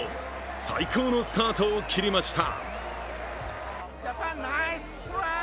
最高のスタートを切りました。